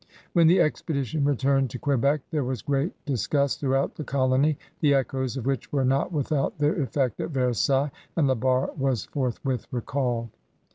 When the expedition returned to Quebec there was great disgust throughout the colony, the echoes of which were not without their effect at Versailles, and La Barre was forth with recalled.